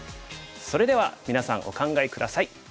それではみなさんお考え下さい。